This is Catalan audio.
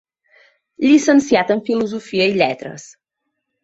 Llicenciat en filosofia i lletres.